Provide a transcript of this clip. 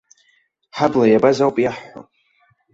Ҳабла иабаз ауп иаҳҳәо!